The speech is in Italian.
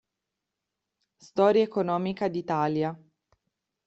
Storia economica d’Italia".